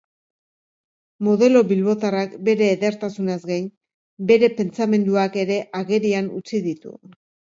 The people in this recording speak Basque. Modelo bilbotarrak bere edertasunaz gain, bere pentsamenduak ere agerian utzi ditu.